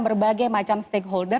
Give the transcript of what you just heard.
berbagai macam stakeholder